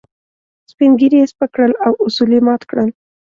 سپين ږيري يې سپک کړل او اصول يې مات کړل.